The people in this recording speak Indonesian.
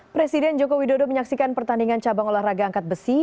presiden jokowi dodo menyaksikan pertandingan cabang olahraga angkat besi